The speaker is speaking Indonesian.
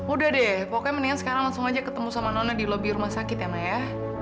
udah deh pokoknya mendingan sekarang langsung aja ketemu sama noni di lobi rumah sakit ya mbak ya